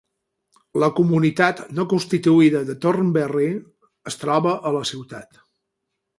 La comunitat no constituïda de Thornberry es troba a la ciutat.